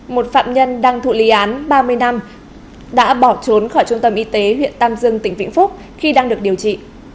một phạm nhân đang thụ lý án ba mươi năm đã bỏ trốn khỏi trung tâm y tế huyện tam dương tỉnh vĩnh phúc khi đang được điều trị